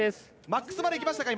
マックスまで行きましたか